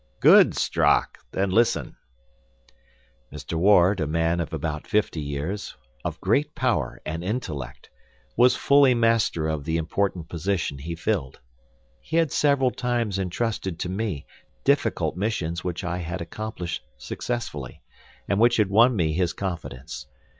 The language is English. "Good, Strock; then listen." Mr. Ward, a man of about fifty years, of great power and intellect, was fully master of the important position he filled. He had several times entrusted to me difficult missions which I had accomplished successfully, and which had won me his confidence.